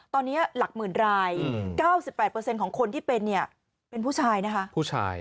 ตอนนี้หลักหมื่นราย๙๘ของคนที่เป็นเป็นผู้ชาย